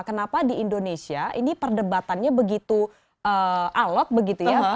kenapa di indonesia ini perdebatannya begitu alok begitu ya